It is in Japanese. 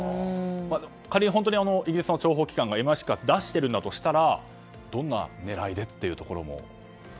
仮に本当にイギリスの諜報機関ＭＩ６が出しているんだとしたらどんな狙いで？というところも。